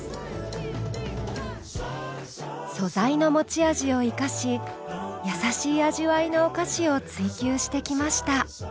素材の持ち味を生かしやさしい味わいのお菓子を追求してきました。